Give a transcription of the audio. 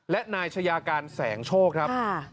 และนายชายาการแสงโชคครับ